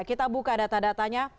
kita buka data datanya